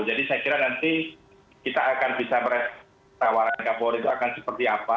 jadi saya kira nanti kita akan bisa mengetahui tawaran kepolisian itu akan seperti apa